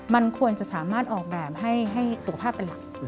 มันควรจะสามารถออกแบบให้สุขภาพเป็นหลัก